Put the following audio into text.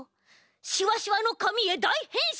しわしわのかみへだいへんしん！